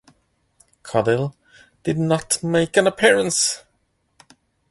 Caudill did not make an appearance.